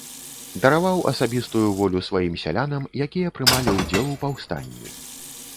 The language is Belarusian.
Дараваў асабістую волю сваім сялянам, якія прымалі ўдзел у паўстанні.